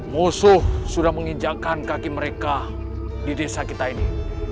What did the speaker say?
musuh sudah menginjakan kaki mereka di desa kita ini